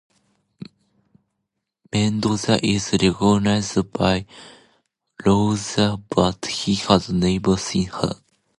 Mendoza is recognized by Louisa but he has never seen her.